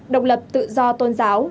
độc lập tự do tôn giáo